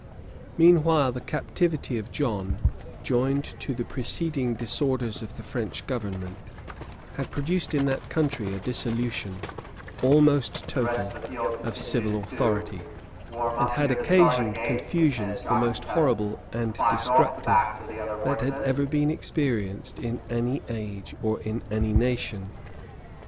} Meanwhile, the captivity of John, joined to the preceding disorders of the French government, had produced in that country a dissolution, almost total, of civil authority, and had occasioned confusions the most horrible and destructive that had ever been experienced in any age or in any nation.